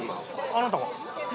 あなたは？